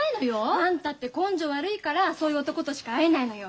あんたって根性悪いからそういう男としか会えないのよ。